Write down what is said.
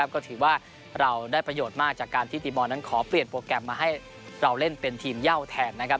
ก็ถือว่าเราได้ประโยชน์มากจากการที่ตีบอลนั้นขอเปลี่ยนโปรแกรมมาให้เราเล่นเป็นทีมเย่าแทนนะครับ